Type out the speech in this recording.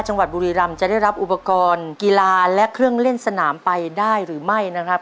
บุรีรำจะได้รับอุปกรณ์กีฬาและเครื่องเล่นสนามไปได้หรือไม่นะครับ